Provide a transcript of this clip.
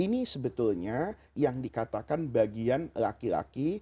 ini sebetulnya yang dikatakan bagian laki laki